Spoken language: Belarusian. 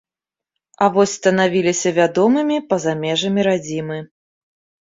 А вось станавіліся вядомымі па-за межамі радзімы.